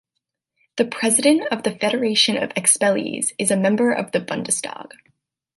The president of the Federation of Expellees is a member of the Bundestag.